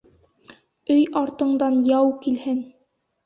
Өй артыңдан яу килһен.